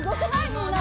みんな。